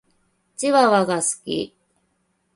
チワワが好き。